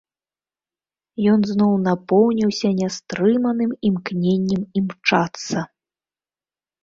Ён зноў напоўніўся нястрыманым імкненнем імчацца.